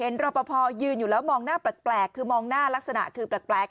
ทรงศรเรื่องไรอ่ะ